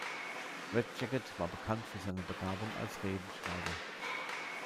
Red Jacket war bekannt für seine Begabung als Redenschreiber.